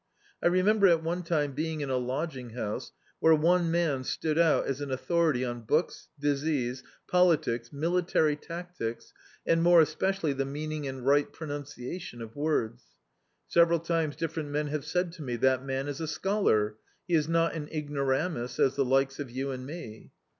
I remem ber at one time being in a lod^ng house where one man stood out as an authority on books, disease, politics, military tactics, and more especially the meaning and ri^t pronunciarion of words. Sev eral times different men have said to me, "That man is a scholar; he is not an ignoramus, as the likes of you and me."